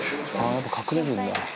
やっぱ、隠れるんだ。